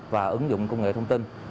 và ứng dụng công nghệ thông tin